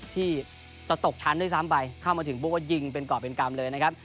ที่จะตกชั้นด้วยซ้ำไปเข้ามาถึงปุ๊บก็ยิงเป็นกรอบเป็นกรรมเลยนะครับ